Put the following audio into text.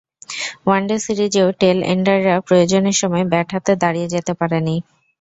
One day সিরিজেও tail এন্ডাররা প্রয়োজনের সময় ব্যাট হাতে দাঁড়িয়ে যেতে পারেনি।